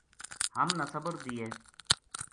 ہم نا صبر دیے